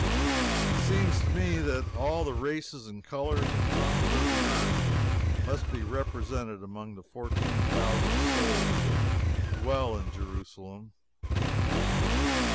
It seems to me that all the races and colors and tongues of the earth must be represented among the fourteen thousand souls that dwell in Jerusalem.